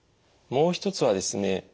もう一つはですね